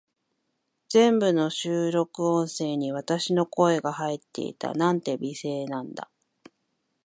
全部の収録音声に、私の声が入っていた。なんて美声なんだ。